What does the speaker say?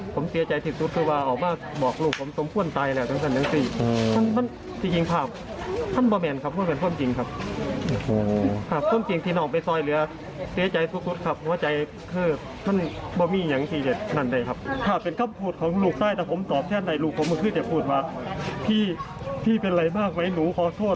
แค่ไหนลูกผมมันคือเด็กผู้หรือว่าพี่เป็นอะไรมากไหมหนูขอโทษ